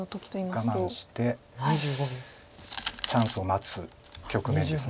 我慢してチャンスを待つ局面です。